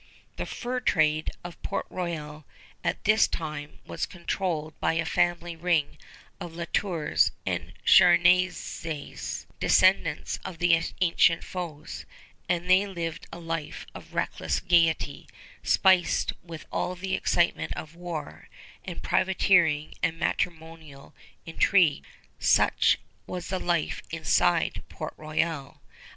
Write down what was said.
The fur trade of Port Royal at this time was controlled by a family ring of La Tours and Charnisays, descendants of the ancient foes; and they lived a life of reckless gayety, spiced with all the excitement of war and privateering and matrimonial intrigue. Such was life inside Port Royal.